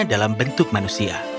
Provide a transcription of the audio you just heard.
dalam bentuk manusia